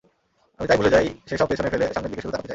আমি তাই ভুলে যাই, সেসব পেছনে ফেলে সামনের দিকেই শুধু তাকাতে চাই।